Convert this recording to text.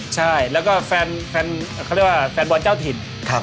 ใช่แล้วก็แฟนบอลเจ้าถิ่น